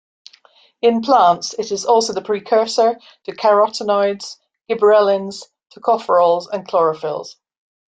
In plants it is also the precursor to carotenoids, gibberellins, tocopherols, and chlorophylls.